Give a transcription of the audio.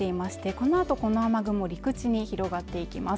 このあとこの雨雲陸地に広がっていきます